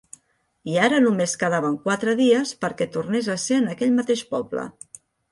I ara només quedaven quatre dies perquè tornés a ser en aquell mateix poble.